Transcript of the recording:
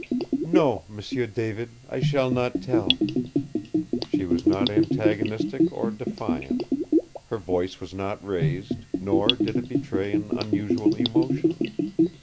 "No, M'sieu David, I shall not tell." She was not antagonistic or defiant. Her voice was not raised, nor did it betray an unusual emotion.